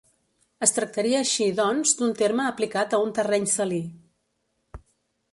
Es tractaria així, doncs, d'un terme aplicat a un terreny salí.